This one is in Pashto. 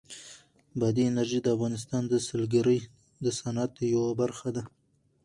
بادي انرژي د افغانستان د سیلګرۍ د صنعت یوه برخه ده.